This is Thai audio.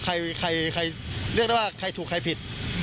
เรียกได้ว่าใครถูกใครผิด